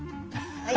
はい！